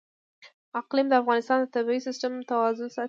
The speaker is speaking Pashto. اقلیم د افغانستان د طبعي سیسټم توازن ساتي.